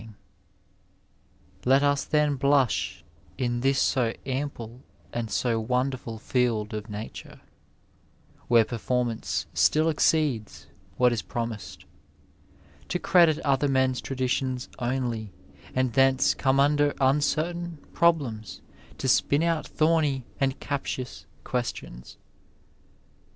^ Digitized by VjOOQ IC Let us then blush, in this so ample and so wonderful field of nature (where performance still exceeds what is promised), to credit other men's traditions only, and thenoe oome uncertain problems to spin out thorny and captious questions.